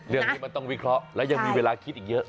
เรื่องนี้มันต้องวิเคราะห์และยังมีเวลาคิดอีกเยอะ